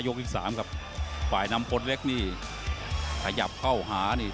อีกสามครับฝ่ายนำพลเล็กนี่ขยับเข้าหานี่